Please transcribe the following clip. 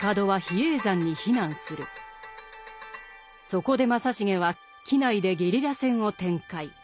そこで正成は畿内でゲリラ戦を展開。